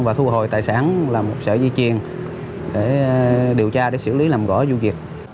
và thu hồi tài sản làm một sợi dây chuyền để điều tra xử lý làm gõ vụ việc